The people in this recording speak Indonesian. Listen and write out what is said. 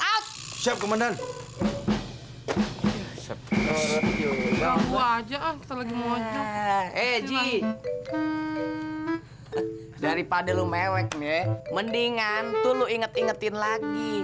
out siap kemenan eh ji daripada lu mewek ya mendingan tuh lo inget ingetin lagi